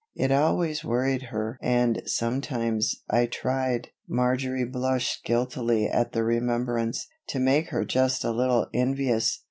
It always worried her and sometimes I tried [Marjory blushed guiltily at the remembrance] to make her just a little envious."